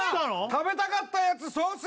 食べたかったやつソース